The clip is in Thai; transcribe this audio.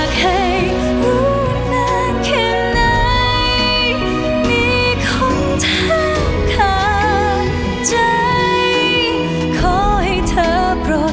คือความรักของเราที่เคยมีให้กัน